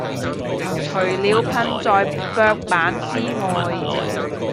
除了噴在腳板之外